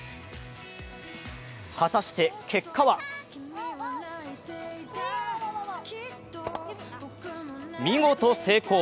果たして、結果は見事、成功！